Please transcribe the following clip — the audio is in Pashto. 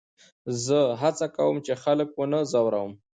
زه هڅه کوم، چي خلک و نه ځوروم.